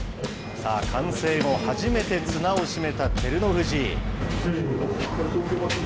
さあ、完成後、初めて綱を締めた照ノ富士。